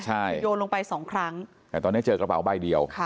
ใช่โยนลงไปสองครั้งแต่ตอนนี้เจอกระเป๋าใบเดียว